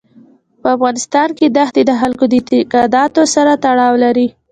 په افغانستان کې ښتې د خلکو د اعتقاداتو سره تړاو لري.